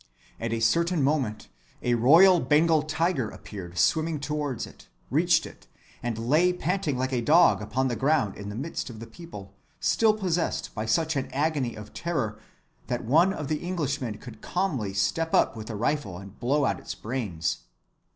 At a certain moment a royal Bengal tiger appeared swimming towards it, reached it, and lay panting like a dog upon the ground in the midst of the people, still possessed by such an agony of terror that one of the Englishmen could calmly step up with a rifle and blow out its brains.